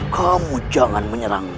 kamu jangan menyerang